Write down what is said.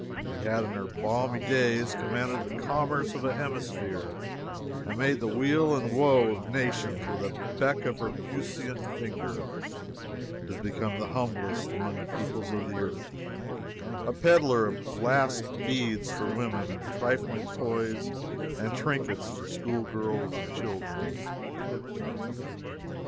She that in her palmy days commanded the commerce of a hemisphere and made the weal or woe of nations with a beck of her puissant finger, is become the humblest among the peoples of the earth, a peddler of glass beads for women, and trifling toys and trinkets for school girls and children.